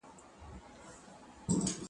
دښاغلي نجیب شریف په ښکلي اوازکي دا غزل